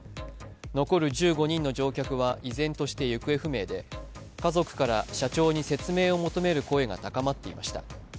残る１５人の乗客は依然として行方不明で、家族から社長に説明を求める声が高まっていました。